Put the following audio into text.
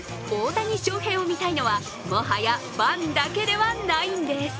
大谷翔平を見たいのはもはやファンだけではないんです。